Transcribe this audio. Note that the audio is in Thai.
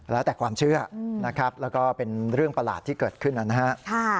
แล้วแต่ความเชื่อนะครับแล้วก็เป็นเรื่องประหลาดที่เกิดขึ้นนะครับ